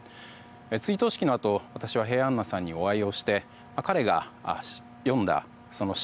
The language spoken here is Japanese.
追悼式のあと私は平安名さんにお会いして彼が詠んだ詩。